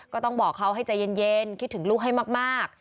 ก็ต้องบอกเขาให้ใจเย็นคิดถึงลูกให้มาก